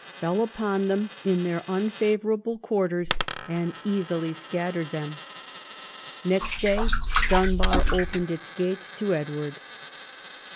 fell upon them in their unfavourable quarters and easily scattered them. Next day Dunbar opened its gates to Edward.